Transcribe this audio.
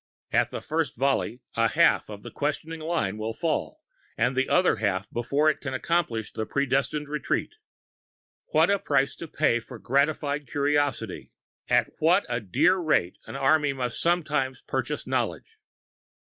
At the first volley a half of the questioning line will fall, the other half before it can accomplish the predestined retreat. What a price to pay for gratified curiosity! At what a dear rate an army must sometimes purchase knowledge!